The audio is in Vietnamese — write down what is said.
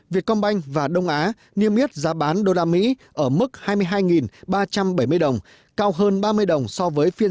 việt công banh và đông á niêm yết giá bán usd ở mức hai mươi hai ba trăm bảy mươi đồng cao hơn ba mươi đồng so với phiên